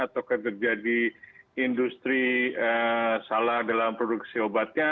atau terjadi industri salah dalam produksi obatnya